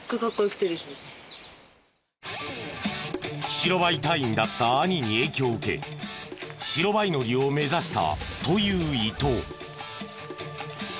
白バイ隊員だった兄に影響を受け白バイ乗りを目指したという伊東。